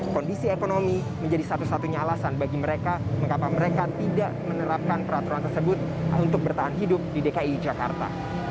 kondisi ekonomi menjadi satu satunya alasan bagi mereka mengapa mereka tidak menerapkan peraturan tersebut untuk bertahan hidup di dki jakarta